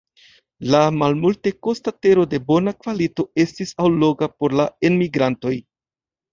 La malmultekosta tero de bona kvalito estis alloga por la enmigrantoj.